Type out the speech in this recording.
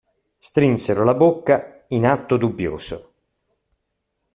Strinsero la bocca in atto dubbioso.